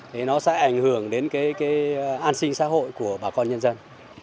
thì nó sẽ ảnh hưởng đến cái an sinh xã hội của bà con nhân dân